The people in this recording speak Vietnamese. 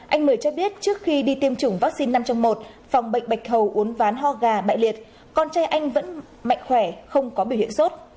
anh mười cho biết trước khi đi tiêm chủng vaccine năm trong một phòng bệnh bạch hầu uốn ván ho gà bại liệt con trai anh vẫn mạnh khỏe không có biểu hiện sốt